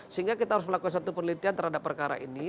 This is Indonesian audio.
sehingga kita harus melakukan satu penelitian terhadap perkara ini